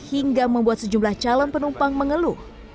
hingga membuat sejumlah calon penumpang mengeluh